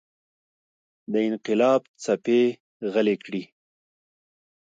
د انقلاب څپې غلې کړي.